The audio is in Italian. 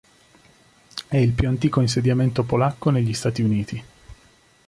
È il più antico insediamento polacco negli Stati Uniti.